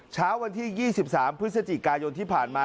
เช้าวันที่๒๓พฤศจิกายนที่ผ่านมา